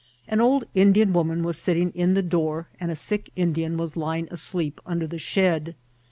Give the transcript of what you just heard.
An old Indian woman was sitting in the door, and a sick Indian was lying asleep under the shed.